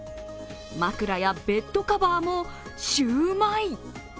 枕やベッドカバーもシウマイ。